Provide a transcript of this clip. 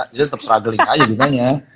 jadi tetep struggling aja gimanya